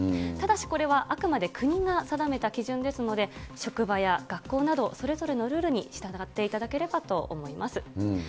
ただしこれはあくまで国が定めた基準ですので、職場や学校など、それぞれのルールに従っていただければと思います。